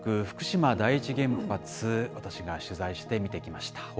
福島第一原発、私が取材して見てきました。